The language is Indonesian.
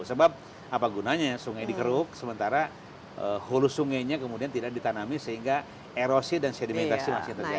sebab apa gunanya sungai dikeruk sementara hulu sungainya kemudian tidak ditanami sehingga erosi dan sedimentasi masih terjadi